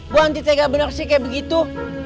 buanti tidak benar sih kayak begitu